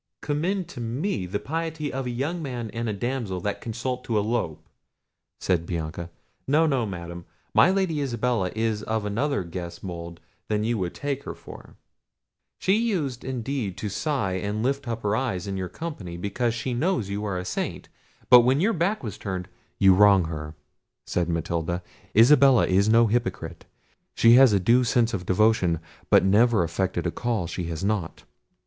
"Commend me to the piety of a young fellow and a damsel that consult to elope!" said Bianca. "No, no, Madam, my Lady Isabella is of another guess mould than you take her for. She used indeed to sigh and lift up her eyes in your company, because she knows you are a saint; but when your back was turned—" "You wrong her," said Matilda; "Isabella is no hypocrite; she has a due sense of devotion, but never affected a call she has not.